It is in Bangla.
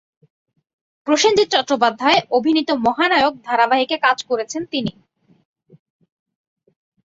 প্রসেনজিৎ চট্টোপাধ্যায় অভিনীত মহানায়ক ধারাবাহিকে কাজ করেছেন তিনি।